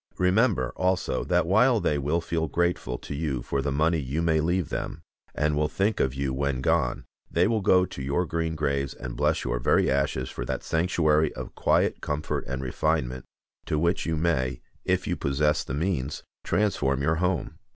Remember, also, that while they will feel grateful to you for the money you may leave them, and will think of you when gone, they will go to your green graves and bless your very ashes for that sanctuary of quiet comfort and refinement, to which you may, if you possess the means, transform your home.